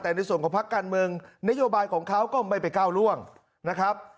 แต่ในส่วนของพักการเมืองนโยบายของเขาก็ไม่ไปก้าวร่วงนะครับ